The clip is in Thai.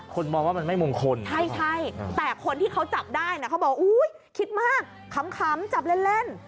คนมองว่ามันไม่มงคลใช่แต่คนที่เขาจับได้นะเขาบอกว่าอุ๊ยคิดมากขำจับเล่น